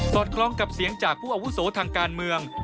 คล้องกับเสียงจากผู้อาวุโสทางการเมือง